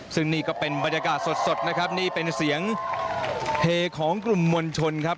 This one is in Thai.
ซึ่งนี่ก็เป็นบรรยากาศสดนะครับนี่เป็นเสียงเฮของกลุ่มมวลชนครับ